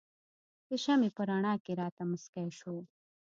د شمعې په رڼا کې راته مسکی شو.